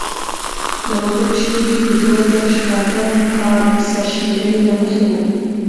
د وګړو شمېر یې په دوه زره شپږم کال سرشمېرنې له مخې و.